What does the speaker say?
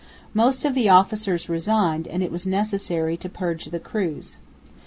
Most of the officers resigned, and it was necessary to purge the crews.